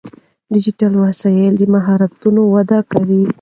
ډیجیټل وسایل د مهارتونو وده کوي.